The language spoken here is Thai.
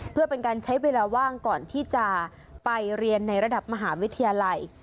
เพื่อเป็นการใช้เวลาว่างก่อนที่จะไปเรียนในระดับมหาวิทยาลัย